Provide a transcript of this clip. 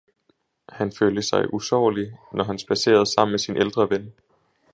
Han følte sig usårlig når han spaserede sammen med sin ældre ven.